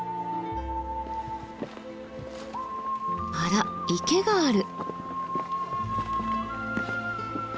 あらっ池がある。